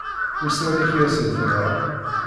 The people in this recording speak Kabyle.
Wissen amek i asen-teḍra?